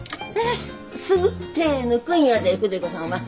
すぐ手ぇ抜くんやで筆子さんは。